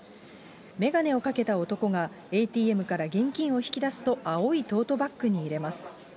眼鏡をかけた男が、ＡＴＭから現金を引き出すと、青いトートバッグに入れます。